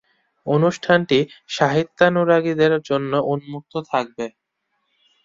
অনুষ্ঠানটি সাহিত্যানুরাগীদের জন্য উন্মুক্ত থাকবে।